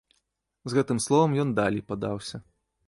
З гэтым словам ён далей падаўся.